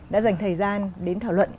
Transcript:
đã dành thời gian đến thảo luận